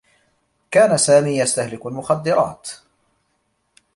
كان سامي يستهلك المخدّرات.